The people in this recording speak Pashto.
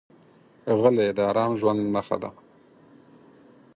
غلی، د ارام ژوند نښه ده.